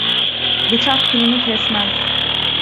Bıçak kınını kesmez.